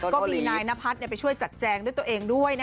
ก็มีนายนพัฒน์ไปช่วยจัดแจงด้วยตัวเองด้วย